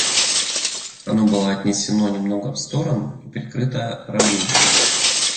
Оно было отнесено немного в сторону и прикрыто рогожею.